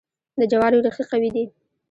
د جوارو ریښې قوي دي.